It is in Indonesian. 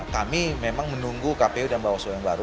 kami memang menunggu kpu dan bawaslu yang baru